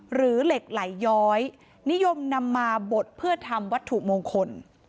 หรือเหล็กไหลย้อยนิยมนำมาบดเพื่อทำวัตถุมงคล